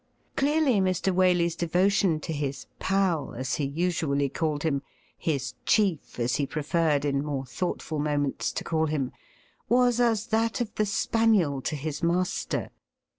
Clearly Mr. Waley's devotion to his ' pal,' as he usually called him —' his chief,' as he preferred in more thoughtful moments to call him — was as that of the spaniel to his master.